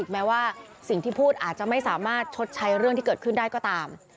แม้ว่าสิ่งที่พูดอาจจะไม่สามารถชดใช้เรื่องที่เกิดขึ้นได้ก็ตาม